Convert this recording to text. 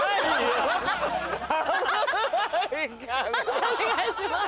判定お願いします。